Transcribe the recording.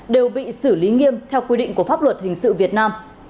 đều bị xử lý nghiêm theo quy định của pháp luật hình sự việt nam